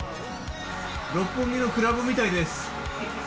六本木のクラブみたいです。